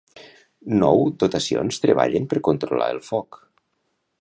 Nou dotacions treballen per controlar el foc.